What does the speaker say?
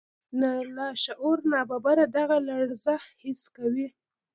لاشعور ناببره دغه لړزه حس کوي.